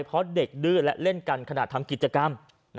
เพราะเด็กดื้อและเล่นกันขณะทำกิจกรรม